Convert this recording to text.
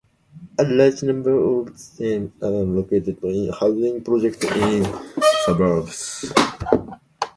A large number of them are located in housing projects in the suburbs.